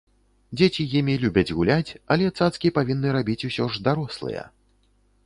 Дзеці імі любяць гуляць, але цацкі павінны рабіць усё ж дарослыя.